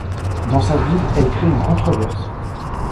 Dans sa ville, elle crée une controverse.